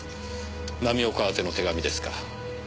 浪岡あての手紙ですか。